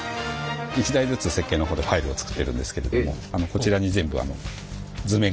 一台ずつ設計のほうでファイルを作っているんですけれどもこちらに図面？